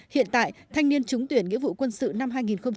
hiện tại thanh niên trúng tuyển nghĩa vụ quân sự năm hai nghìn một mươi chín